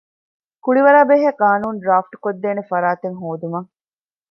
ކުޅިވަރާބެހޭ ޤާނޫނު ޑްރާފްޓްކޮށްދޭނެ ފަރާތެއް ހޯދުމަށް